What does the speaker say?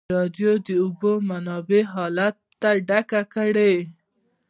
ازادي راډیو د د اوبو منابع حالت په ډاګه کړی.